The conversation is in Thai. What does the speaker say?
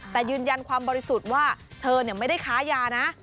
แต่ยืนยันความบริสุทธิ์ว่าเธอไม่ได้ค้ายานะ